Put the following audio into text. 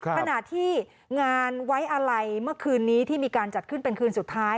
ขณะที่งานไว้อะไรเมื่อคืนนี้ที่มีการจัดขึ้นเป็นคืนสุดท้าย